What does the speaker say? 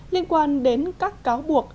liên quan đến các cáo buộc